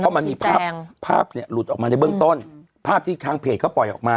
เพราะมันมีภาพภาพเนี่ยหลุดออกมาในเบื้องต้นภาพที่ทางเพจเขาปล่อยออกมา